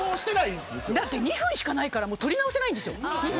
だって、２分しかないから撮り直せないんです。